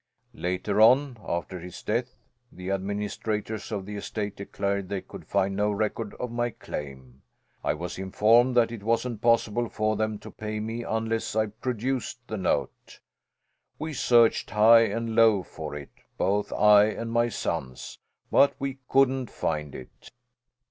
Later on, after his death, the administrators of the estate declared they could find no record of my claim. I was informed that it wasn't possible for them to pay me unless I produced the note. We searched high and low for it, both I and my sons, but we couldn't find it."